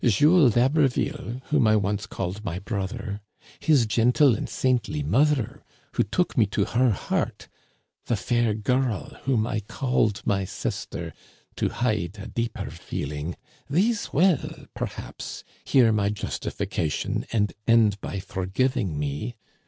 Jules d'Haberville, whom I once called my brother, his gentle and saintly mother, who took me to her heart, the fair girl whom I called my sister to hide a deeper feeling — ^these will, perhaps, hear my justifica tion and end by forgiving me.